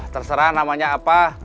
terserah namanya apa